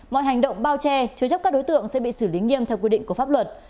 mọi hành động bao che chứa chấp các đối tượng sẽ bị xử lý nghiêm theo quy định của pháp luật